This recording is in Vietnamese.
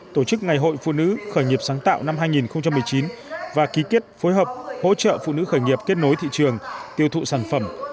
tổ chức ngày hội phụ nữ khởi nghiệp sáng tạo năm hai nghìn một mươi chín và ký kết phối hợp hỗ trợ phụ nữ khởi nghiệp kết nối thị trường tiêu thụ sản phẩm